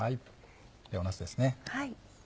ではなすです。